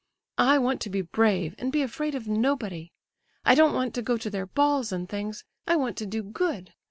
I want to be brave, and be afraid of nobody. I don't want to go to their balls and things—I want to do good.